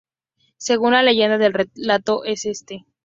Según la leyenda el relato es este.